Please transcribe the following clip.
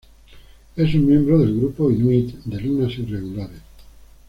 Es un miembro del grupo Inuit de lunas irregulares.